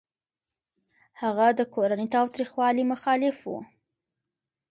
هغه د کورني تاوتريخوالي مخالف و.